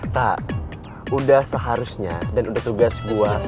tak udah seharusnya dan udah tugas gue